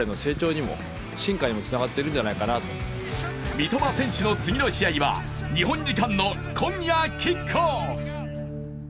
三笘選手の次の試合は、日本時間の今夜キックオフ。